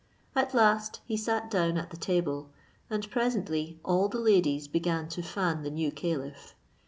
At last he sat down at the table, and presently all the ladies began to fan the new caliph.